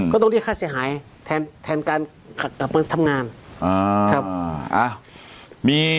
ก็ต้องเรียกค่าเสียหายแทนการกลับมาทำงานครับ